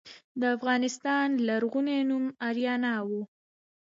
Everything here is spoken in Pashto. د افغانستان لرغونی نوم اریانا و